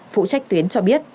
phụ trách tuyến cho biết